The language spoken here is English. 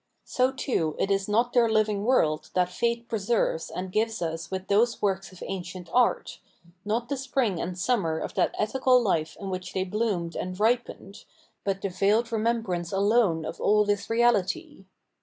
So too it is not their living world that Fate preserves and gives us with those works of ancient art, not the spring and summer of that ethical life in which they bloomed and ripened, but the veiled remembrance alone of aU this reahty.